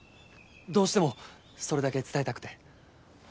どうしてもそれだけ伝えたくて。